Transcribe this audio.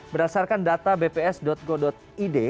berdasarkan data bps go id